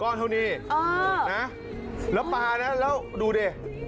ก้อนเท่านี้เออนะแล้วป่าน่ะแล้วดูดิ